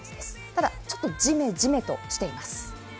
ただ、ちょっとじめじめとしています。